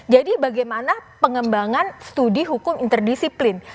jadi bagaimana pengembangan studi hukum interdisiplin